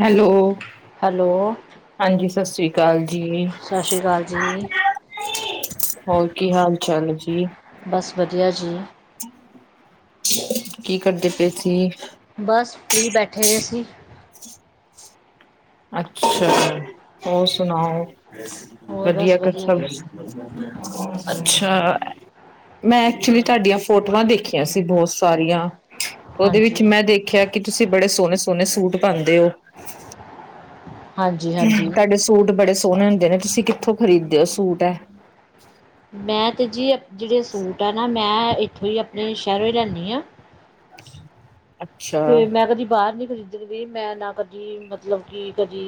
Hello! Hello ਹਾਂਜੀ, ਸਸਰੀ ਕੱਲ। ਜੀ। ਸਤਿ ਸ਼੍ਰੀ ਅਕਾਲ ਜੀ ਹੋਰ, ਕੀ ਹਾਲ ਚਾਲ ਜੀ? ਬਸ ਵਧੀਆ ਜੀ। ਕੀ ਕਰਦੇ ਪਏ ਸੀ? ਬੱਸ ਫ੍ਰੀ ਬੈਠੇ ਦੇ ਸੀ। ਅੱਛਾ ਹੋਰ ਸੁਣਾਓ ਹੋਰ ਵਧੀਆ ਬਸ ਕਰ ਸਬ ਬਸ ਅੱਛਾ ਮੈਂ ਐਕਚੁਲੀ ਤੁਹਾਡੀਆਂ ਫੋਟੋਆਂ ਦੇਖੀਆਂ ਸੀ ਬਹੁਤ ਸਾਰੀਆਂ ਉਹਦੇ ਹਾਂਜੀ ਵਿੱਚ ਮੈਂ ਦੇਖਿਆ ਕਿ ਤੁਸੀਂ ਬੜੇ ਸੋਹਣੇ ਸੋਹਣੇ ਸੂਟ ਪਾਂਦੇ ਹੋ ਹਾਂਜੀ ਹਾਂਜੀ ਤੁਹਾਡੇ ਸੂਟ ਬੜੇ ਸੋਹਣੇ ਹੁੰ ਦੇ ਨੇ ਤੁਸੀਂ ਕਿੱਥੋਂ ਖ਼ਰੀਦੇ ਹੋ ਸੂਟ ਇਹ ਮੈਂ ਤੇ ਜੀ ਜਿਹੜੇ ਸੂਟ ਐ ਨਾ ਮੈਂ ਐਥੋਂ ਹੀ ਆਪਣੇ ਸ਼ਹਿਰੋਂ ਹੀ ਲਿਆਨੀ ਹਾਂ ਅੱਛਾ ਤੇ ਮੈਂ ਕਦੀ ਬਾਹਰ ਨੀ ਖਰੀਦ [unintelligible] ਮੈਂ ਨਾ ਕਦੀ ਮਤਲਬ ਕਿ ਕਦੀ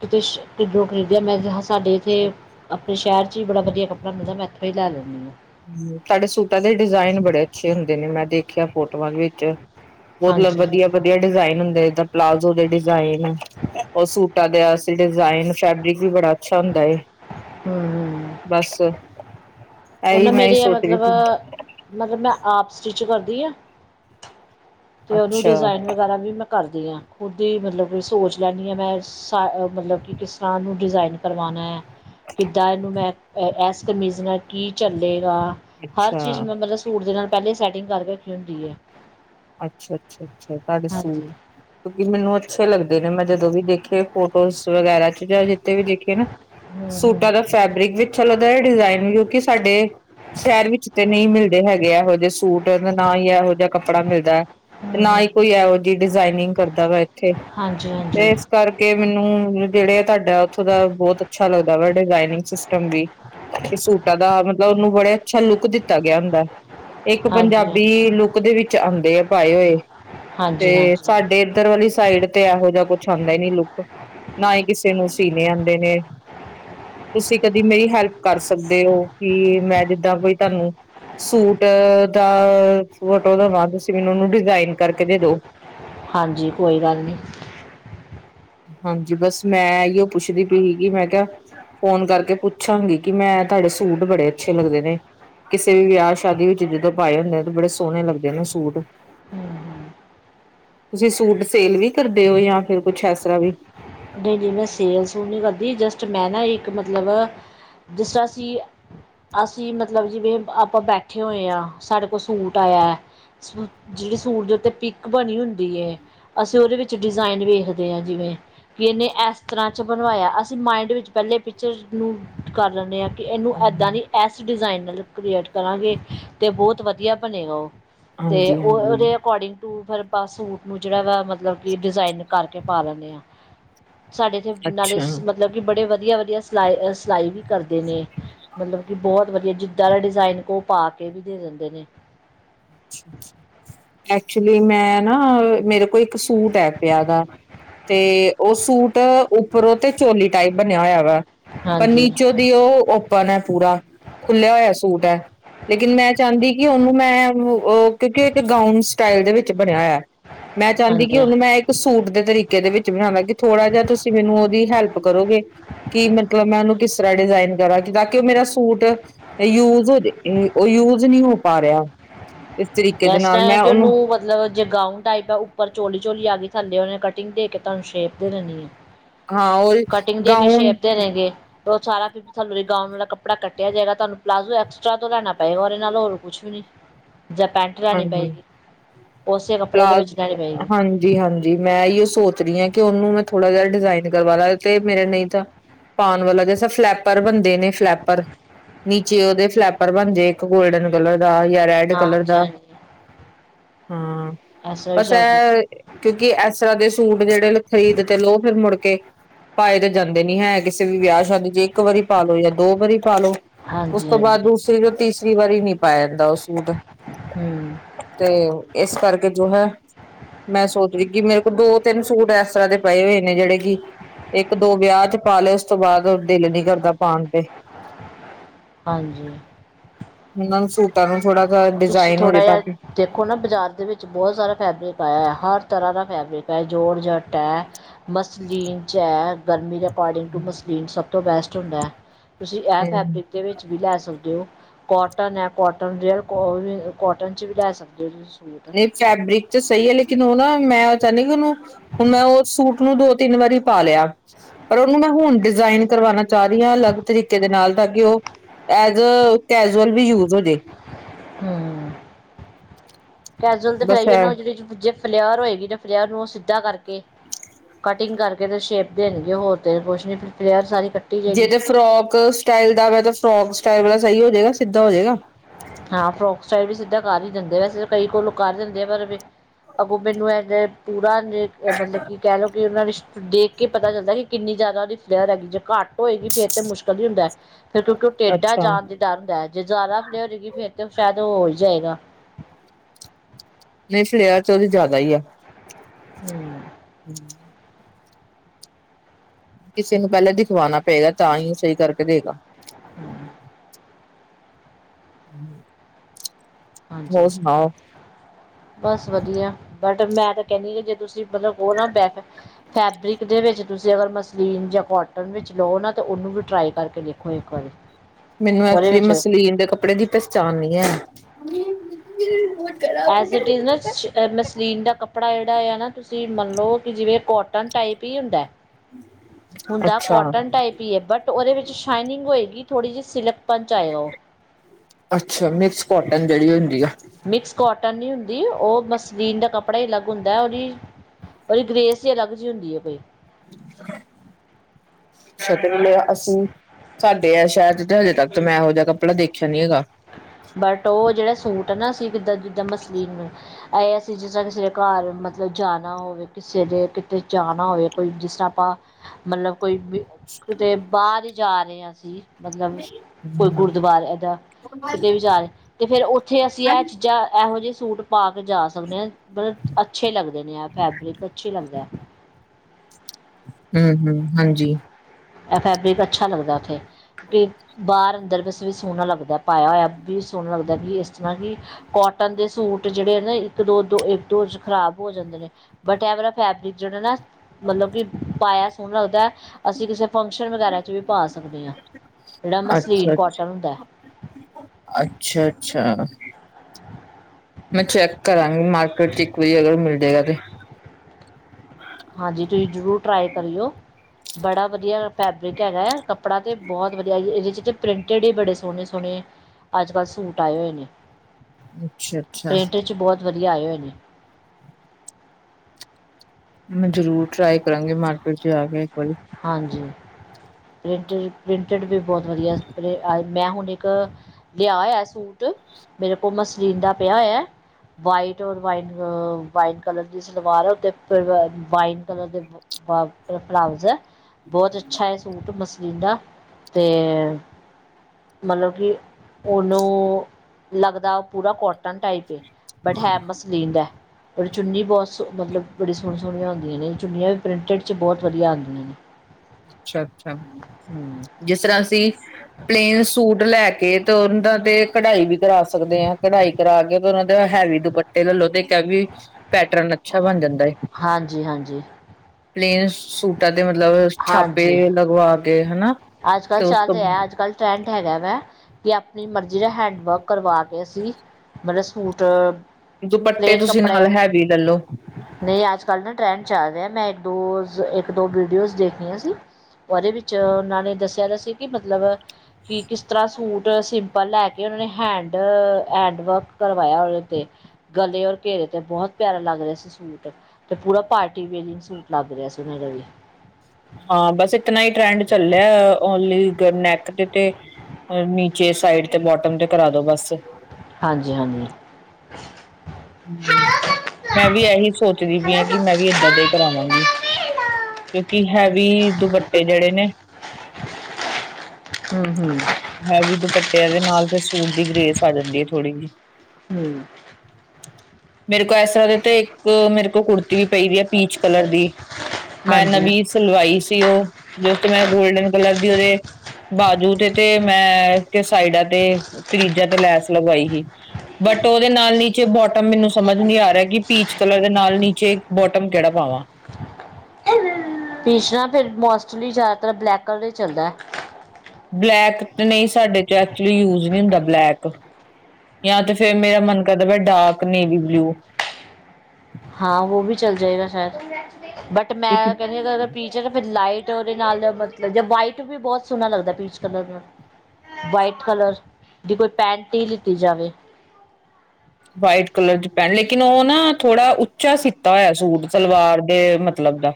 ਕਿਤੇ ਕਿੱਦੋ ਖਰੀਦਿਆ ਮੈਂ ਸਾਡੇ ਇੱਥੇ ਅੱਛਾ ਆਪਣੇ ਸ਼ਹਿਰ ਹੀ ਬੜਾ ਵਧੀਆੱ ਕਪੜਾ ਮਿਲਦਾ ਮੈਂ ਇੱਥੋਂ ਹੀ ਲੈੈਂ ਲੈਣੀ ਹਾਂ ਹੱਮ ਤੁਹਾਡੇ ਸੂਟਾਂ ਦੇ ਡਿਜ਼ਾਇਨ ਬੜੇ ਅੱਛੇ ਹੁੰਦੇ ਨੇ ਮੈਂ ਦੇਖਿਆ ਫੋਟੋਆਂ ਵਿੱਚ ਮਤਲਬ ਹਾਂਜੀ ਹਾਂਜੀ ਵਧੀਆ-ਵਧੀਆ ਡਿਜ਼ਾਇਨ ਹੁੰਦੇ ਏਧਰ ਪਲਾਜ਼ੋ ਦੇ ਡਿਜਾਇਨ ਉਹ ਸੂਟਾਂ ਦੇ ਅਸੀਂ ਡਿਜਾਇਨ ਫੈਬਰਿਕ ਵੀ ਬੜਾ ਅੱਛਾ ਹੁੰਦਾ ਏ ਹੂੰ ਬਸ ਇਹੀ ਉਹਨ ਮੈਂ ਹੀ ਮੇਰੇ ਸੋਚ ਰਹੀ ਸੀ ਮਤਲਬ-ਮਤਲਬ ਮੈਂ ਆਪ ਸਟਿੱਚ ਕਰਦੀ ਹਾਂ ਤੇ ਉਹਨੂੰ ਅੱਛਾ ਡਿਜ਼ਾਇਨ ਵਗੈਰਾ ਵੀ ਮੈਂ ਕਰਦੀ ਹਾਂ ਖੁਦ ਹੀ ਮਤਲਬ ਸੋਚ ਲੈਂਨੀ ਆਂ ਮੈਂ ਇਸ ਆਂ ਮਤਲਬ ਕਿ ਕਿਸ ਤਰ੍ਹਾਂ ਨੂੰ ਡਿਜ਼ਾਇਨ ਕਰਵਾਉਣਾ ਹੈ। ਕਿੱਦਾਂ ਇਹਨੂੰ ਮੈਂ ਐਸ ਕਮੀਜ਼ ਨਾਲ ਕੀ ਝੱਲੇ ਆ ਹਰ ਅੱਛਾ ਚੀਜ਼ ਮੈਂ ਮਤਲਬ ਸੂਟ ਦੇ ਨਾਲ ਪਹਿਲੇ ਸੈਟਿੰਗ ਕਰਕੇ ਰੱਖੀ ਹੁੰਦੀ ਏ। ਅੱਛਾ, ਅੱਛਾ, ਅੱਛਾ ਤੁਹਾਡੇ ਸੂਟ ਹਾਂਜੀ। ਕਿਉਕਿ ਮੈਨੂੰ ਅੱਛੇ ਲੱਗਦੇ ਨੇ, ਮੈਂ ਜਦੋਂ ਵੀ ਦੇਖੇ ਫੋਟੋਜ਼ ਵਗੈਰਾ ਚ ਜਾਂ ਜਿੱਥੇ ਵੀ ਦੇਖੇ ਨਾ ਹੂੰ ਹੂੰ ਸੂਟਾਂ ਦਾ ਫੈਬਰਿਕ ਵੀ ਅੱਛਾ ਲੱਗਦਾ ਡਿਜ਼ਾਇਨ ਵੀ ਕਿਉਕਿ ਸਾਡੇ ਸ਼ਹਿਰ ਵਿੱਚ ਤੇ ਨਹੀਂ ਮਿਲਦੇ ਹੈਗੇ ਇਹੋ ਜਿਹੇ ਸੂਟ ਨਾ ਹੀ ਇਹੋ ਜਿਹਾ ਕੱਪੜੇ ਕੱਪੜਾ ਮਿਲਦੈ ਤੇ ਨਾ ਹੀ ਕੋਈ ਐੋ ਦੀ ਡਿਜ਼ਾਇਨਿੰਗ ਕਰਦਾ ਵਾ ਤੇ, ਹਾਂਜੀ ਹਾਂਜੀ ਤੇ ਇਸ ਕਰਕੇ ਮੈਨੂੰ ਜਿਹੜੇ ਆ ਤੁਹਾਡਾ ਉੱਥੋਂ ਦਾ ਬਹੁਹਤ ਅੱਛਾ ਲੱਗਦਾ ਵਾ ਡਿਜਾਇਨਿੰਗ ਸਿਸਟਮ ਵੀ ਤੇ ਸੂਟਾਂ ਦਾ ਮਤਲਬ ਓਨੂੰ ਬੜਾ ਅੱਛਾ ਲੁਕ ਦਿਤਾ ਗਿਆ ਹੁੰਦਾ। ਇੱਕ ਹਾਂਜੀ ਪੰਜਾਬੀ ਲੁੱਕ ਦੇ ਵਿੱਚ ਆਉਂਦੇ ਪੈ ਹਾਂਜੀ ਤੇ ਹਾਂਜੀ ਸਾਡੇ ਇੱਧਰ ਵਾਲੀ ਸਾਈਡ ਤੇ ਇਹੋ ਜਿਹਾ ਕੁਛ ਆਉਂਦਾ ਹੀ ਨੀ ਲੁੱਕ ਨਾ ਹੀ ਕਿਸੇ ਨੂੰ ਸੀਨੇ ਆਉਂਦੇ ਨੇ ਤੁਸੀਂ ਕਦੀ ਮੇਰੀ ਹੈਲਪ ਕਰ ਸਕਦੇ ਹੋ ਕਿ ਮੈਂ ਜਿੱਦਾਂ ਬਈ ਤੁਹਾਨੂੰ ਸੂਟ ਦਾ ਫੋਟੋ ਦਵ ਤੁਸੀਂ ਮੈਨੂੰ ਉਹਨੂੰ ਡਿਜ਼ਾਇਨ ਕਰਕੇ ਦੇ ਦੋ ਹਾਂਜੀ ਕੋਈ ਗੱਲ ਨਹੀਂ ਹਾਂਜੀ ਬਸ ਮੈਂ ਇਓ ਪੁੱਛਦੀ ਪਈ ਸੀ ਕਿ ਮੈਂ ਕਿਹਾ ਫੋਨ ਕਰਕੇ ਪੁੱਛਾਂਗੀ ਕਿ ਮੈਂ ਤੁਹਾਡੇ ਸੂਟ ਬੜੇ ਅੱਛੇ ਲੱਗਦੇ ਨੇ ਕਿਸੇ ਵੀ ਵਿਆਹ ਸ਼ਾਦੀ ਵਿੱਚ ਜਦੋਂ ਪਾਏ ਹੁੰਦੇ ਨੇ ਤੇ ਬੜੇ ਸੋਹਣੇ ਲੱਗਦੇ ਨੇ ਸੂਟ ਤੁਸੀਂ ਸੂਟ ਸੇਲ ਵੀ ਕਰਦੇ ਹੋ ਜਾਂ ਫਿਰ ਕੁਛ ਵੀ ਨਹੀਂ ਨਹੀਂ ਮੈਂ ਸੇਲ ਸੂਲ ਨਹੀਂ ਕਰਦੀ ਜਸਟ ਮੈਂ ਨਾ ਇੱਕ ਮਤਲਬ ਜਿਸ ਤਰ੍ਹਾਂ ਅਸੀਂ ਅਸੀਂ ਮਤਲਬ ਜਿਵੇਂ ਆਪਾਂ ਬੈਠੇ ਹੋਏ ਹਾਂ ਸਾਡੇ ਕੋਲ ਸੂਟ ਆਇਆ ਜਿਹੜੀ ਸੂਟ ਦੇ ਉੱਤੇ ਪਿੱਕ ਬਣੀ ਹੁੰਦੀ ਹੈ ਅਸੀਂ ਉਹਦੇ ਵਿੱਚ ਡਿਜ਼ਾਇਨ ਵੇਖਦੇ ਹਾਂ ਜਿਵੇਂ ਕਿ ਇਹਨੇ ਇਸ ਤਰ੍ਹਾਂ 'ਚ ਬਣਵਾਇਆ ਅਸੀਂ ਮਾਇੰਡ ਵਿੱਚ ਪਹਿਲੇ ਪਿਕਚਰ ਨੂੰ ਕਰ ਲੈਂਦੇ ਹਾਂ। ਕਿ ਇਹਨੂੰ ਇੱਦਾਂ ਦੀ ਇਸ ਡਿਜ਼ਾਇਨ ਨਾਲ ਕ੍ਰੀਏਟ ਕਰਾਂਗੇ ਤੇ ਬਹੁਤ ਵਧੀਆ ਬਣੇਗਾ। ਉਹ ਤੇ ਹਾਂਜੀ ਉਹ ਹਾਂਜੀ ਉਹਦੇ ਅਕੋਰਡਿੰਗ ਟੂ ਫਿਰ ਬਸ ਸੂਟ ਨੂੰ ਜਿਹੜਾ ਵਾ ਮਤਲਬ ਕਿ ਡਿਜ਼ਾਇਨ ਕਰਕੇ ਪਾ ਲੈਂਦੇ ਹਾਂ। ਸਾਡੇ ਇੱਥੇ ਨਾਲੇ ਅੱਛਾ ਮਤਲਬ ਕਿ ਬੜੇ ਵ ਵਧੀਆ ਵਧੀਆ ਸਿਲਾਈ ਸਿਲਾਈ ਵੀ ਕਰਦੇ ਨੇ ਮਤਲਬ ਕਿ ਬਹੁਤ ਵਧੀਆ ਜਿੱਦਾਂ ਵਾਲਾ ਡਿਜ਼ਾਇਨ ਕੋ ਉਹ ਪਾ ਕੇ ਵੀ ਦੇ ਦਿੰਦੇ ਨੇ ਐਕਚੁਲੀ ਮੈਂ ਨਾ ਮੇਰੇ ਕੋਲ ਇੱਕ ਸੂਟ ਹੈ ਪਿਆ ਵਾ ਤੇ ਉਹ ਸੂਟ ਉੱਪਰੋਂ ਤੇ ਚੋਲੀ ਟਾਈਪ ਬਣਿਆ ਹੋਇਆ ਵਾ ਪਰ ਹਾਂਜੀ ਨੀਚੋ ਦੀ ਉਹ ਪਨ ਪੂਰਾ ਖੁੱਲਿਆ ਹੋਇਆ ਸੂਟ ਹੈ ਲੇਕਿਨ ਮੈਂ ਚਾਹੁੰਦੀ ਕਿ ਉਹਨੂੰ ਮੈਂ ਉਹ ਕਿਉਂਕਿ ਇੱਕ ਗਾਊਨ ਸਟਾਈਲ ਦੇ ਵਿੱਚ ਬਣਿਆ ਹੋਇਆ। ਮੈਂ ਚਾਹੁੰਦੀ ਕਿ ਹਾਂਜੀ ਉਹਨੂੰ ਮੈਂ ਇੱਕ ਸੂਟ ਦੇ ਤਰੀਕੇ ਤੇ ਈਦੇ ਵਿੱਚ ਮੈਂ ਵੱਧ ਥੋੜਾ ਜਿਹਾ ਤੁਸੀਂ ਮੈਨੂੰ ਉਹਦੀ ਹੈਲਪ ਕਰੋਗੇ, ਕਿ ਮਤਲਬ ਮੈਂ ਉਹਨੂੰ ਕਿਸ ਤ ਡਿਜ਼ਾਇਨ ਕਰਾਂ ਕਿ ਤਾਂਕ ਉਹ ਮੇਰਾ ਸੂਟ ਯੂਜ ਹੋਵੇ ਯੂਜ ਨਹੀਂ ਹੋ ਪਾ ਰਿਹਾ। ਇਸ ਤਰੀਕੇ ਦੇ ਇਸ ਨਾਲ ਤਰ੍ਹਾਂ ਹੈ ਮੈਂ ਕਿ ਉਹਨੂੰ ਮਤਲਬ ਜੇ ਗਊਉਣ ਟਾਈਪ ਹੈ ਉੱਪਰ ਚੋਲੀ ਚਝੋਲੀ ਆ ਗਈ ਥੱਲੇ ਉਹਨੇ ਕਟਿੰਗ ਦੇ ਕੇ ਤੁਹਾਨੂੰ ਸ਼ੇਪ ਦਿੰਦੀਆ ਹਾਂ ਔਰ ਗਾਊਨ ਦੇਣਗੇ ਉਹ ਸਾਰਾ ਤੁਹਾਨੂੰ ਰ ਗਾਊਨ ਵਾਲਾ ਕੱਪੜਾ ਕੱਟ ਜਾਏਗਾ ਤੁਹਾਨੂੰ ਪਲਾਜ਼ੋ ਐਕਸਟਰਾ ਤੋਂ ਲੈਣਾ ਪਏਗਾ ਉਹਦੇ ਨਾਲ ਹੋਰ ਕੁਛ ਵੀ ਨੀ ਜ ਹਾਂਜੀ ਕੱਪੜੇ ਦੇ ਵਿੱਚ ਲੈਣੀ ਪ ਪਏਗੀ ਹਾਂਜੀ ਹਾਂਜੀ ਮੈਂ ਓ ਸੋਚ ਰਹੀ ਹਾਂ ਕਿ ਉਹਨੂੰ ਮੈਂ ਥੋੜਾ ਜਿਹਾ ਡਿਜ਼ਾਇਨ ਨਿਕਲ ਵਾਲਾ ਤੇ ਮੇਰਾ ਨਹੀਂ ਤਾਂ ਪਾਉਣ ਵਾਲਾ ਜੈਸਾ ਫਲੈਪਰ ਬਣਦਾ ਦੇ ਨੇ ਫਲੈਪਰ ਨੀਚੇ ਉਹਦੇ ਫਲੈਪਰ ਪਰ ਬਣਜੇ ਇੱਕ ਗੋਲਡਨ ਕਲਰ ਦਾ ਜਾਂ ਰੈਡ ਹਾਂ ਕਲਰ ਹਾਂਜੀ ਦਾ ਹਾਂਜੀ ਹਾਂ, ਇਸ ਤਰ੍ਹਾਂ ਵੀ ਬਸ ਚੱਲ ਜੀ ਐ ਕਿਉਂਕਿ ਐਸ ਤਰ੍ਹਾਂ ਦੇ ਸੂਟ ਜੇੜੇ ਖ਼ਰੀਦ ਤੇ ਲੋ ਫੇਰ ਮੁੜ ਕੇ ਪਾਏ ਤਾਂ ਜਾਂਦੇ ਨੀ ਹੈ। ਕਿਸੇ ਵੀ ਵਿਆਹ ਸ਼ਾਦੀ ਚ ਇੱਕ ਵਾਰੀ ਪਾਲੋ ਯਾ ਦੋ ਵਾਰੀ ਪਾਲੋ, ਉਸ ਹਾਂਜੀ ਤੋਂ ਬਾਅਦ ਹਾਂਜੀ ਦੂਸਰੀ ਤੋਂ ਤੀਸਰੀ ਵਾਰੀ ਨੀ ਪਾਇਆ ਜਾਂਦਾ ਓਹ ਸੂਟ। ਹੂੰ ਤੇ ਏਸ ਕਰਕੇ ਜੋ ਹੈ ਮੈਂ ਸੋਚ ਰੀ ਕਿ ਮੇਰੇ ਕੋਲ ਦੋ ਤਿੰਨ ਸੂਟ ਐਸ ਤਰ੍ਹਾਂ ਦੇ ਪਏ ਹੋਏ ਨੇ ਜੇੜੇ ਵੀ ਇਕ ਦੋ ਵਿਆਹ ਚ ਪਾ ਲੋ ਉਸ ਤੋਂ ਬਾਦ ਦਿਲ ਨੀ ਕਰਦਾ ਪਾਣ ਤੇ। ਹਾਂਜੀ। ਉਨ੍ਹਾਂ ਨੂੰ ਸੂਟਾਂ ਨੂੰ ਥੋੜਾ ਸ ਤੁਸੀਂ ਡਿਜ਼ਾਇਨ ਹੋਜੇ ਥੋੜ੍ਹਾ ਤਾਂ ਜਾ ਕਿ ਦੇਖੋ ਨਾ ਬਾਜ਼ਾਰ ਦੇ ਵਿੱਚ ਬੌਤ ਸਾਰਾ ਫੈਬਰਿਕ ਆਇਆ ਹੋਇਆ, ਹਰ ਤਰ੍ਹਾਂ ਦਾ ਫੈਬਰਿਕ ਐ, ਜੋੜ ਜੱਟ ਐ, ਮਸਲੀਨ ਚ ਐ। ਗਰਮੀ ਦੇ ਅਕੋਡਿੰਗ ਟੂ ਹਮ ਮਸਲੀਨ ਸਭ ਤੋਂ ਬੈਸਟ ਹੁੰਦੈ। ਤੁਸੀਂ ਐ ਫੈਬਰਿਕ ਦੇ ਵਿੱਚ ਵੀ ਲੈ ਸਕਦੇ ਔ। ਕੋਟਨ ਹੈ ਕੋਟਨ ਜੈਮ ਕੋ ਰੇ ਕੋਟਨ ਚ ਵੀ ਲੈ ਸਕਦੇ ਔ ਤੁਸੀਂ। ਸੂਟ ਨਹੀਂ ਫੈਬਰਿਕ ਤਾਂ ਸਹੀ ਏ ਲੇਕਿਨ ਓਹ ਨਾ ਮੈਂ ਜਾਨੀ ਕਿ ਓਨੂੰ ਹੁਣ ਮੈਂ ਔ ਸੂਟ ਨੂੰ ਦੋ ਤਿੰਨ ਵਾਰੀ ਪਾ ਲਿਆ ਪਰ ਉਹਨੂੰ ਨਾ ਮੈਂ ਹੁਣ ਡਿਜ਼ਾਇਨ ਕਰਵਾਣਾ ਚਾ ਰੀ ਆਂ, ਅਲੱਗ ਤਰੀਕੇ ਦੇ ਨਾਲ ਤਾਂ ਕਿ ਔ ਐਜ ਕੈਜੂਅਲ ਵੀ ਯੂਜ ਹੋਜੇ। ਹੂੰ। ਕੈਜੂਅਲ ਤੇ ਫੇਰ ਐਈ ਬਸ ਈ ਏ ਹੈ ਨਾ ਓਹ ਜੇੜੀ ਜੀ ਫੁਲੇਆਰ ਹੋਏਗੀ ਨਾ ਫੁਲੇਆਰ ਨੂੰ ਔਸ ਸਿੱਧਾ ਕਰਕੇ ਕਟਿੰਗ ਕਰਕੇ ਤੇ ਸ਼ੇਪ ਦੇਣਗੇ ਹੋਰ ਤੇ ਕੁਛ ਨੀ ਪਰ ਫਲੇਆਰ ਸਾਰੀ ਕੱਟੀ ਜੇ ਜਾਏਗੀ ਤੇ ਫਰੋਕ ਸਟਾਈਲ ਦਾ ਵੈ ਤੇ ਫਰੋਕ ਸਟਾਈਲ ਵਾਲਾ ਸਹੀ ਹੋਜੇਗਾ। ਸਿੱਧਾ ਹੋਜੇਗਾ। ਚਾਏ ਵੀ ਸਿੱਧਾ ਘਰ ਹੀ ਦਿੰਦੇ, ਵੈਸੇ ਤੇ ਕਈ ਕੋਲੋ ਕਰ ਈ ਦਿੰਦੇ ਐ ਪਰ ਦੇ ਅਗੋਂ ਮੈਨੂੰ ਐ ਦੇ ਪੁ ਰਾਜਨੇਕ ਅ ਮਤਲਬ ਕੀ ਕਹ ਲੋ ਕਿ ਓਨਾਂ ਰਿਸ਼ ਦੇਖ ਕੇ ਪਤਾ ਚੱਲਦੈ ਕਿ ਕਿੰਨੀ ਜੈਦਾ ਔਦੀ ਫਲੇਅਰ ਹੈਗੀ ਜੇ ਘੱਟ ਹੋਏਗੀ ਫੇਰ ਤੇ ਮੁਸ਼ਕਲ ਈ ਹੁੰਦੈ। ਫੇਰ ਕਿਉਂਕਿ ਔ ਟੇਡਾ ਅੱਛਾ। ਜਾਣ ਦੀ ਡਰ ਦੈ। ਜੇ ਜਾਦਾ ਫਲੇਅਰ ਹੈਗੀ ਫੇਰ ਤੇ ਸੈ਼ਦ ਓਹ ਹੋ ਈ ਜਾਏਗਾ। ਨਹੀਂ ਫਲੇਅਰ ਤੇ ਔਦੀ ਜੈਦਾ ਈ ਆ। ਹੂੰ। ਹੂੰ। ਕਿਸੇ ਨੂੰ ਪਹਿਲਾਂ ਦਿਖਵਾਣਾ ਪਏਗਾ, ਤਾਂ ਈ ਓਹ ਸਹੀ ਕਰਕੇ ਦੇਗਾ। ਹੂੰ। [inaudible] ਹਾਂਜੀ, ਬਸ ਵਧੀਆ। ਬਟ ਮੈਂ ਤਾਂ ਕਹਿੰਦੀ ਏ ਕਿ ਜੇ ਤੁਸੀਂ ਮਤਲਬ ਓਹ ਨਾ ਬੈਫ ਫੈਬਰਿਕ ਦੇ ਵੇਚ ਤੁਸੀਂ ਅਗਰ ਮਸਲੀਨ ਜਾਂ ਕੋਟਨ ਵਿੱਚ ਲੋ ਨਾ ਤਾਂ ਔਨੂੰ ਵੀ ਟਰਾਈ ਕਰਕੇ ਦੇਖੋ ਇੱਕ ਵਾਰੀ। ਮੈਨੂੰ ਉਹਦੇ ਐਕਚੁਲੀ ਵਿੱਚ ਮਸਲੀਨ ਦੇ ਕੱਪੜੇ ਦੀ ਪਹਿਚਾਣ ਨੀ ਹੈ। ਖ [unintelligible] ਐਸ ਇਟ ਇਜ਼ ਨਾ ਮਸਲੀਨ ਦਾ ਕਪ ਕੱਪੜਾ ਜਿਹੜਾ ਆ ਨਾ ਤੁਸੀਂ ਮੰਨ ਲਓ ਕਿ ਜਿਵੇਂ ਕੋਟਨ ਟਾਈਪ ਹੀ ਹੁੰਦਾ। ਹੁੰਦਾ ਅੱਛਾ। ਕੋਟਨ ਟਾਈਪ ਹੀ ਹੈ ਬਟ ਉਹਦੇ ਵਿੱਚ ਸ਼ਾਈਨਿੰਗ ਹੋਏਗੀ। ਥੋੜੀ ਜਿ ਸਿਲਪ ਅੱਛਾ ਮਿਕਸ ਕੋਟਨ ਜਿਹੜੀ ਹੁੰਦੀ ਆ। ਮਿਕਸ ਕੋਟ ਟ ਨ ਹੁੰਦੀ ਉਹ ਮਸਲੀਨ ਦਾ ਕੱਪੜਾ ਹੀ ਅਲੱਗ ਹੁੰਦਾ ਹੈ। ਉਹਦੀ- ਉਹਦੀ ਗਰੇੇਸ ਹੀ ਅਲੱਗ ਜਿਹੀ ਹੁੰਦੀ ਹੈ ਕੋਈ ਸਾਡੇ ਨਾਲੇ ਅਸੀਂ ਸਾਡੇ ਆ ਸ਼ਹਿਰ ਤੇ ਹਜੇ ਤੱਕ ਮੈਂ ਇਹੋ ਜਿਹਾ ਕੱਪੜਾ ਦੇਖਿਆ ਨੀ ਹੈਗਾ। ਬਟ ਉਹ ਜਿਹੜਾ ਸੂਟ ਹੈ ਨਾ ਅਸੀਂ ਕਿੱਦਾਂ ਜਿੱਦਾਂ ਮਸਲੀ ਨੂੰ ਇਹ ਅਸੀਂ ਜਿਸ ਤਰ੍ਹਾਂ ਕਿਸੇ ਦੇ ਘਰ ਮਤਲਬ ਜਾਣਾ ਹੋਵੇ ਕਿਸੇ ਦੇ ਕਿਤੇ ਜਾਣਾ ਹੋਵੇ ਕੋਈ ਜਿਸ ਤਰ੍ਹਾਂ ਆਪਾਂ ਮਤਲਬ ਕੋਈ ਕਿਤੇ ਬਾਹਰ ਹੀ ਜਾ ਰਹੇ ਅਸੀਂ। ਮਤਲਬ ਕੋਈ ਹੂੰ ਗੁਰਦੁਆਰੇ ਇਹਦਾਾਂ ਕਿਤੇ ਵੀ ਜਾ ਰਹੇ ਤੇ ਫੇਰ ਉੱਥੇ ਅਸੀਂ ਇਹ ਚੀਜ਼ਾਂ ਇਹੋ ਜਿਹੇ ਸੁ ਸੂਟ ਪਾ ਕੇ ਜਾ ਸਕਦੇ ਮਲ ਅੱਛੇ ਲੱਗਦੇ ਨੇ ਫੈਬਰਿਕ ਅੱਛੀ ਲੱਗਦਾ। ਹੂੰ-ਹੂੰ ਹਾਂਜੀ। ਇਹ ਫੈਬਰਿਕ ਅੱਛਾ ਲੱਗਦਾ ਉੱਥੇ ਕਿਕ ਬਾਹਰ ਅੰਦਰ ਵੈਸ ਵੀ ਸੋਹਣਾ ਲੱਗਦਾ ਪਾਇਆ ਹੋਇਆ ਵੀ ਸੋਹਣਾ ਲੱਗਦਾ ਕਿ ਇਸ ਤਰ੍ਹਾਂ ਕਿ ਕੋਟਨ ਦੇ ਸੂਟ ਜਿਹੜੇ ਨਾ ਇੱਕ ਦੋ ਦੋ ਇੱਕ ਦੋ ਖਰਾਬ ਹੋ ਜਾਂਦੇ ਨੇ ਬਟ ਐਵਰ ਫੈਬਰਿਕ ਜਿਹੜਾ ਨਾ ਮਤਲਬ ਕਿ ਪਾਇਆ ਲਗਦਾ ਅਸੀ ਕਿਸੇ ਫੰਕਸ਼ਨ ਵਗੈਰਾ ' ਵੀ ਪਾ ਸਕਦੇ ਹਾਂ ਜਿਹੜਾ ਮਸਲੀਨ ਅੱਛਾ ਅੱਛਾ ਕੋਟਨ ਹੁੰਦਾ ਅੱਛਾ ਅੱਛਾ। ਮੈਂ ਚੈੱਕ ਕਰਾਂਗੀ ਮਾਰਕੀਟ ਚ ਇੱਕ ਵਾਰੀ ਅਗਰ ਮਿਲ ਜਾਏਗਾ ਤੇ ਹਾਂਜੀ ਤੁਸੀਂ ਜ਼ਰੂਰ ਟਰਾਈ ਕਰੀਓ ਬੜਾ ਵਧੀਆ ਫੈਬਰਿਕ ਹੈਗਾ ਆ ਕੱਪੜਾ ਤਾਂ ਬਹੁਤ ਵਧੀਆ ਇਹਦੇ 'ਚ ਤਾਂ ਪ੍ਰਿੰਟਡ ਹੀ ਬੜੇ ਸੋਹਣੇ ਸੋਹਣੇ ਅੱਜ ਕੱਲ੍ਹ ਸੂਟ ਆਏ ਹੋਏ ਨੇ। ਅੱਛਾ ਅੱਛਾ। ਪ੍ਰਿੰਟ ਚ ਬਹੁਤ ਵਧੀਆ ਆਏ ਹੋਏ ਨੇ ਮੈਂ ਜਰੂਰ ਟਰਾਈ ਕਰਾਂਗੀ ਮਾਰਕੀਟ ਚ ਜਾ ਕੇ ਵਾਰੀ। ਹਾਂਜੀ। ਟ ਪ੍ਰਿੰਟਡ ਵੀ ਬਹੁਤ ਵਧੀਆ ਮੈਂ ਹੁਣ ਇੱਕ ਲਿਆ ਹੋਇਆ ਸੂਟ ਮੇਰੇ ਕੋਲ ਮਸਲੀਨ ਦਾ ਪਿਆ ਹੋਇਆ ਵਾਈਟ ਰ ਵ ਵਾਈਨ ਕਲਰ ਦੀ ਸਲਵਾਰ ਵਾਈਨ ਕਲਰ ਦੇ ਫਲਾਜ਼ ਹੈ। ਬਹੁਤ ਅੱਛਾ ਹੈ ਸੂਟ ਮਸ ਤੇ ਮਤਲਬ ਕਿ ਉਹਨੂੰ ਲੱਗਦਾ ਪੂਰਾ ਕੋਟ ਟਾਈਪ ਏ ਬਟ ਹੈ ਮਸਲੀਨ ਦਾ ਉਹਦੀ ਚੁੰਨੀ ਬਹੁਤ ਸੋ ਮਤਲਬ ਬੜੀ ਸੋਹਣੀ ਸੋਹਣੀਆਂ ਹੁੰਦੀਆਂ ਨੇ ਚੁੰਨੀਆਂ ਵੀ ਪ੍ਰਿੰਟਿਡ ਬਹੁਤ ਵਧੀਆ ਆਂਦੀਆਂ ਨੇ ਅੱਛਾ ਅੱਛਾ ਹਮ ਜਿਸ ਤਰ੍ਹਾਂ ਅਸੀਂ ਪਲੇਨ ਸੂਟ ਲੈ ਕੇ ਕੇ ਤੇ ਉਹਨਾਂ ਤੇ ਕਢਾਈ ਵੀ ਕਰਾ ਸਕਦੇ ਆ ਕਢਾਈ ਕਰਾ ਕੇ ਤੇ ਉਹਨਾਂ ਦੇ ਹੈਵੀ ਦੁਪੱਟੇ ਲੈ ਲੋ ਤੇ ਤੇ ਵੀ ਪੈਟਰਨ ਅੱਛਾ ਬਣ ਜਾਂਦਾ ਏ। ਹਾਂਜੀ ਹਾਂਜੀ ਪਲੇਨ ਸੂਟਾਂ ਦੇ ਮਤਲਬ ਛਾਪੇ ਹਾਂਜੀ ਲਗਵਾ ਕੇ ਹੈਨਾ ਅੱਜ ਕੱਲ ਚੱਲ ਰਿਹਾ ਹੈ, ਅੱਜ ਕੱਲ ਹੈਗਾ ਵੈ, ਵੀ ਆਪਾਂ ਆਪਣੀ ਮਰਜ਼ੀ ਦਾ ਹੈਂਡਵਰਕ ਕਰਵਾ ਅਸੀਂ ਬੜੇ ਸੂਟ ਦੁਪੱਟੇ ਪਲੇਨ ਤੁਸੀਂ ਨਾਲ ਕੱਪੜੇ ਹੈਵੀ ਲੈ ਲੋ ਨਹੀਂ ਅੱਜ ਕੱਲ੍ਹ ਨਾ ਟਰੈਂਡ ਚੱਲ ਰਿਹਾ, ਮੈਂ ਇੱਕ ਦੋ ਇੱਕ ਦੋ ਵੀਡੀਓਜ਼ ਦੇਖੀਆਂ ਸੀ ਉਹਦੇ ਵਿੱਚ ਉਹਨਾਂ ਨੇ ਦੱਸਿਆ ਤਾਂ ਸੀ ਕਿ ਮਤਲਬ ਕਿ ਕਿਸ ਤਰ੍ਹਾਂ ਸੂਟ ਸਿੰਪਲ ਲੈ ਕੇ ਉਹਨਾਂ ਨੇ ਹੈਂਡ ਹੈਂਡ ਵਰਕ ਕਰਵਾਇਆ ਉਹਦੇ ਤੇ, ਗਲੇ ਔਰ ਘੇਰੇ ਤੇ ਬਹੁਤ ਪਿਆਰਾ ਲੱਗ ਰਿਹਾ ਸੀ ਸੂਟ, ਤੇ ਪੂਰਾ ਪਾਰਟੀ ਵੇਅਰਿੰਗ ਸੂਟ ਲੱਗ ਰਿਹਾ ਸੀ ਉਹਨਾਂ ਦੇ ਵੀ। ਹਾਂ ਬਸ ਇਤਨਾ ਹੀ ਟਰੈਂਡ ਚੱਲਿਆ ਔਨਲਾਈਨ, ਨੈਕ ਤੇ ਤੇ ਨੀਚੇ ਸਾਈਡ ਤੇ ਬੋਟਮ ਤੇ ਕਰਾ ਦੋ ਬਸ ਹਾਂਜੀ ਹਾਂਜੀ ਮੈਂ ਵੀ ਏਹੀ ਸੋਚਦੀ ਪਈ ਆ ਕਿ ਮੈਂ ਵੀ ਇ ਏਦਾਂ ਦਾ ਹੀ ਕਰਾਵਾਂਗੀ, ਕਿਉਂਕਿ ਹੈਵੀ ਦੁਪੱਟੇ ਜਿਹੜੇ ਨੇ ਹੂ ਹੂ ਹੈ ਵੀ ਦੁਪੱਟਿਆਂ ਦੇ ਨਾਲ ਫੇਰ ਸੂਟ ਦੀ ਗਰੇਸ ਆ ਜਾਂਦੀ ਹੈ, ਥੋੜ੍ਹੀ ਜਿਹੀ [inaudible] ਮੇਰੇ ਕੋਲ ਇਸ ਤਰ੍ਹਾਂ ਦੇ ਤੇ ਇੱਕ ਮੇਰੇ ਕੋਲ ਕੁੜਤੀ ਵੀ ਪਈ ਦੀ ਆ ਪੀਚ ਕਲਰ ਦੀ, ਮੈਂ ਹਾਂਜੀ ਨਵੀਂ ਸਿਲਵਾਈ ਸੀ ਔ, ਜਿਸ ਤੇ ਮੈਂ ਗੋਲਡਨ ਕਲਰ ਬੀ ਉਹ ਦੇ ਬਾਜੂ ਤੇ- ਤੇ ਮੈਂ ਸਾਈਡਾਂ ਤੇ ਤਲੀਜਾ ਤੇ ਲੈਸ ਲਗਈ ਸੀ, ਬਟ ਉਹਦੇ ਨਾਲ ਨੀਚੇ ਬੋਟਮ ਮੈਨੂੰ ਸਮਝ ਨੀ ਆ ਰਿਹਾ ਕਿ ਪੀਚ ਕਲਰ ਦੇ ਨਾਲ ਨੀਚੇ ਬੋਟਮ ਕਿਹੜਾ ਪਾਵਾਂ? ਇਸ ਤਰ੍ਹਾਂ ਫਿਰ ਮੋਸਟਲੀ ਜ਼ਿਆਦਾਤਰ ਬਲੈਕ ਕਲਰ ਹੀ ਚੱਲਦਾ। ਬਲੈਕ ਨਹੀਂ ਸਾਡੇ ਚੋਂ ਐਕਚੁਲੀ ਯੂਜ ਨਹੀਂ ਹੁੰਦਾ ਬਲੈਕ, ਜਾਂ ਤੇ ਫਿਰ ਮੇਰਾ ਮਨ ਕਰਦਾ ਪਿਆ ਡਾਰਕ ਨੇਵੀ ਬਲਿਊ। ਹਾਂ ਉਹ ਵੀ ਚੱਲ ਜਾਏਗਾ ਸ਼ਾਇਦ। ਬਟ ਕਿਉਂਕਿ ਮੈਂ ਕਹਿੰਦੀ ਪੀਚ ਹੈ, ਫਿਰ ਲਾਈਟ ਤੇ ਉਹਦੇ ਨਾਲ ਮਤਲਬ ਜਾਂ ਵਾਈਟ ਵੀ ਬਹੁਤ ਸੋਹਣਾ ਲੱਗਦਾ ਪੀਚ ਕਲਰ ਨਾਲ, ਵਾਈਟ ਕਲਰ ਦੀ ਕੋਈ ਪੈਂਨਟ ਹੀ ਲਿੱਤੀ ਜਾਵੇ ਵਾਈਟ ਕਲਰ ਚ ਪੈਣ ਲੇਕਿਨ ਉਹ ਨਾ ਥੋੜਾ ਉੱਚਾ ਸੀਤਾ ਹੋਇਆ ਸੀ। ਸੂਟ ਸਲਵਾਰ ਦੇ ਮ ਉਪਲਬਧ ਆ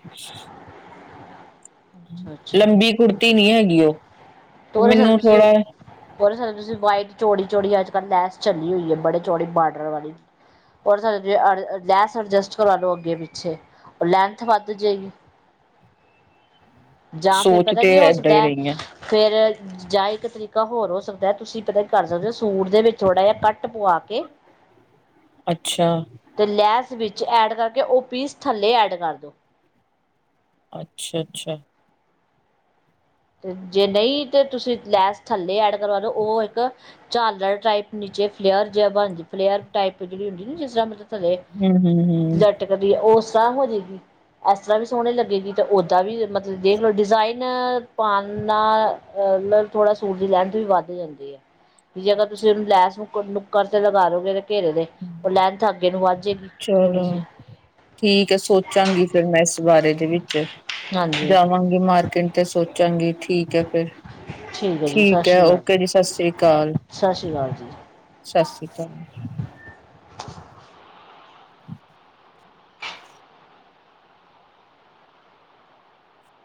ਅੱਛਾ ਅੱਛਾ, ਉਹ ਤੇ ਉਹਦੇ ਮੈਨੂੰ ਥੋੜਾ ਸਾਥ ਤੁਸੀਂ ਵਾਈਟ ਚੋੜੀ ਚੋੜੀ ਅੱਜ ਕੱਲ ਲੈਸ ਚੱਲੀ ਹੋਈ ਹੈ, ਬੜੇ ਚੌੜੀ ਬਾਰਡਰ ਵਾਲੀ ਲੈਸ਼ ਅਡਜੈਸਟ ਕਰਵਾ ਲਓ ਅੱਗੇ ਪਿੱਛੇ, ਲੈਂਥ ਵੱਧ ਜਾਏਗੀ। ਜਾਂ ਫਿਰ ਸੋਚ ਪਤਾ ਤੇ ਕੀ ਹੋ ਏਦਾਂ ਸਕਦਾ ਹੀ ਹੈ ਰਹੀ ਆ ਫੇਰ ਜਾਂ ਇੱਕ ਤਰੀਕੇ ਕਾ ਹੋਰ ਹੋ ਸਕਦਾ ਹੈ ਤੁਸੀਂ ਇਤਨਾ ਹੀ ਕਰ ਸਕਦੇ ਹੋ, ਸੂਟ ਦੇ ਵਿੱਚ ਥੋੜਾ ਜਿਹਾ ਕੱਟ ਪਵਾ ਕੇ ਅੱਛਾ ਅਤੇ ਲੈਸ ਵਿੱਚ ਐਡ ਕਰਕੇ ਉਹ ਪੀਸ ਥੱਲੇ ਐਡ ਕਰ ਦਿਉ। ਅੱਛਾ ਅੱਛਾ ਤੇ ਜੇ ਨਹੀਂ ਤੇ, ਤੁਸੀਂ ਲੈਸ ਥੱਲੇ ਐਡ ਕਰਵਾ ਦਿਉ, ਉਹ ਇੱਕ ਝਾਲਰ ਟਾਈਪ ਨੀਚੇ ਫਲੇਅਰ ਜਿਆ ਬਣਦੀ ਫਲੇਅਰ ਟਾਈਪ ਜਿਹੜੀ ਹੁੰਦੀ, ਜਿਸ ਤਰ੍ਹਾਂ ਮਤਲਬ ਥੱਲੇ ਹੂੰ ਹੂੰ ਹੂੰ ਲਟਕਦੀ ਉਸ ਇਸ ਤਰ੍ਹਾਂ ਹੋ ਜਾਵੇਗੀ ਐਸ ਤਰ੍ਹਾਂ ਵੀ ਸੋਹਣੇ ਲੱਗੇਗੀ ਤਾਂ ਓਦਾਂ ਵੀ ਮਤਲਬ ਡਿਜ਼ਾਇਨ ਪਾਨਾ ਲਬ ਥੋੜ੍ਹਾ ਸੂਟ ਦੀ ਲੈਂਥ ਵੀ ਵੱਧ ਜਾਂਦੀ ਹੈ ਵੀ, ਜੇ ਅਗਰ ਤੁਸੀਂ ਉਹਨੂੰ ਲੈਸ ਮੁੱਕ ਨੁੱਕਰ ਤੇ ਲਗਾ ਲੋਗੇ ਥੋੜ੍ਹੀ ਚਲੋ ਜਿਹੀ ਠੀਕ ਹੈ। ਸੋਚਾਂਗੀ ਫਿਰ ਮੈਂ, ਇਸ ਬਾਰੇ ਦੇ ਵਿੱਚ ਹਾਂਜੀ ਜਾਵਾਂਗੀ ਮਾਰਕਿਟ ਤੇ ਸੋਚਾਂਗੀ ਠੀਕ ਹੈ, ਫੇਰ ਜੀ ਸਤਿ ਠੀਕ ਹੈ। ਸ਼੍ਰੀ ਅਕਾਲ ਓਕੇ ਜੀ। ਸਤਿ ਸ੍ਰੀ ਅਕਾਲ। ਸਤਿ ਸ਼੍ਰੀ ਅਕਾਲ ਜੀ ਸਤਿ ਸ੍ਰੀ ਅਕਾਲ। [unintelligible]